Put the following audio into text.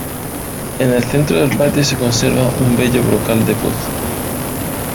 En el centro del patio se conserva un bello brocal de pozo.